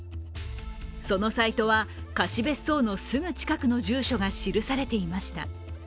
そのサイトは、貸別荘のすぐ近くの住所が記されていました。